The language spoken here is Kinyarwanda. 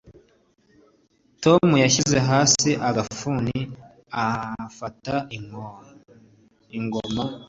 tom yashyize hasi agafuni afata ingoma n'intoki